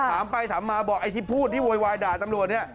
ถามไปถามมาบอกไอ้ที่พูดที่โวยวายด่าตำรวจเนี่ย